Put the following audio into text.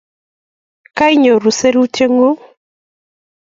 kanyoru serutyeng'ung